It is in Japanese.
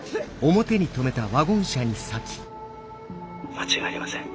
「間違いありません。